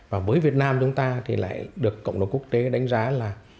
và với việt nam chúng ta thì lại được cộng đồng quốc tế đánh giá là